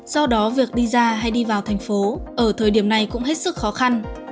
do đó việc đi ra hay đi vào thành phố ở thời điểm này cũng hết sức khó khăn